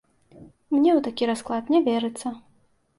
Мне ў такі расклад не верыцца.